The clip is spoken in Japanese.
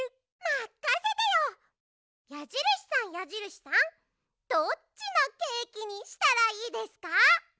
まかせてよ！やじるしさんやじるしさんどっちのケーキにしたらいいですか？